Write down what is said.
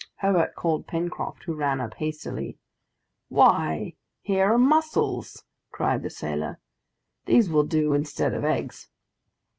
Herbert called Pencroft, who ran up hastily. "Here are mussels!" cried the sailor; "these will do instead of eggs!"